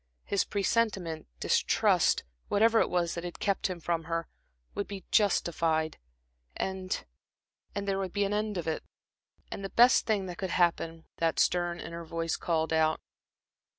His presentiment, distrust whatever it was that had kept him from her would be justified, and and there would be the end of it. And the best thing that could happen, that stern inner voice called out.